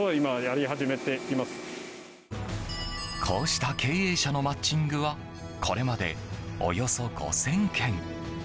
こうした経営者のマッチングはこれまでおよそ５０００件。